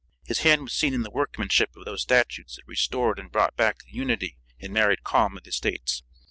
His hand was seen in the workmanship of those statutes that restored and brought back the unity and married calm of the States.